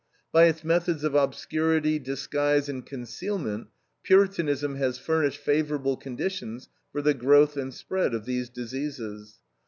By its methods of obscurity, disguise, and concealment, Puritanism has furnished favorable conditions for the growth and spread of these diseases.